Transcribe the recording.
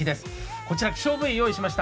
こちら希少部位、用意しました。